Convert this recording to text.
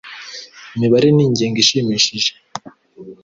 Imibare ni ingingo ishimishije.